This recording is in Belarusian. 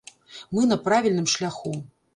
Мы на правільным шляху.